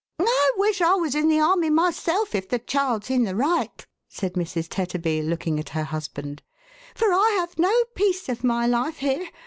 " I wish I was in the army myself, if the child's in the right," said Mrs. Tetterby, looking at her husband, " for I have no peace of my life here.